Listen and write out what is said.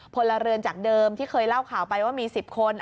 พลเรือนจากเดิมที่เคยเล่าข่าวไปว่ามี๑๐คน